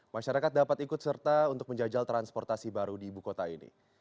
masyarakat dapat ikut serta untuk menjajal transportasi baru di ibu kota ini